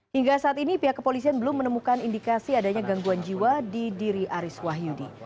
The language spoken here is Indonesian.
hingga saat ini pihak kepolisian belum menemukan indikasi adanya gangguan jiwa di diri aris wahyudi